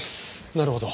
なるほど。